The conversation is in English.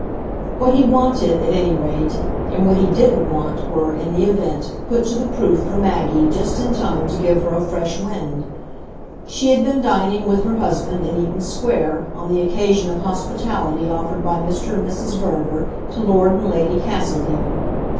What he wanted, at any rate, and what he didn't want were, in the event, put to the proof for Maggie just in time to give her a fresh wind. She had been dining, with her husband, in Eaton Square, on the occasion of hospitality offered by Mr. and Mrs. Verver to Lord and Lady Castledean.